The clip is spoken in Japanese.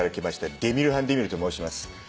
デミルハン・デミルと申します。